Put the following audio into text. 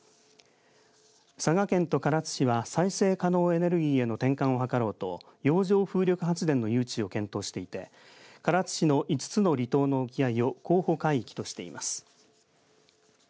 佐賀県と唐津市は再生可能エネルギーへの転換を図ろうと洋上風力発電の誘致を検討していて唐津市の５つの離島の沖合を候補海域としています。